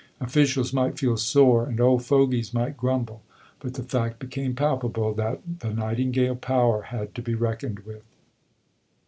Officials might feel sore, and old fogeys might grumble, but the fact became palpable that "the Nightingale power" had to be reckoned with.